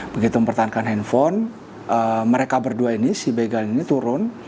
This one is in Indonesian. begitu mempertahankan handphone mereka berdua ini si begal ini turun